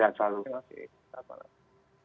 terima kasih salam sehat selalu